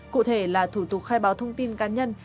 cụ thể là thủ tục khai báo thông tin cá nhân